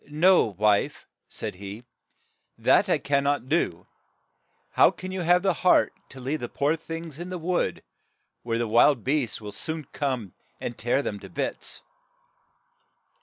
"No, wife," said he, "that I can not do. How can you HANSEL AND GRETHEL have the heart to leave the poor things in the wood, where the wild beasts will soon come and tear them to bits."